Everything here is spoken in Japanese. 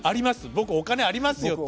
僕お金ありますよ」って。